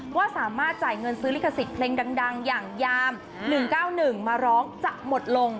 ว่าสามารถจ่ายเงินซื้อลิขสิทธิ์เพลงดังอย่างยาม๑๙๑มาร้องจะหมดลง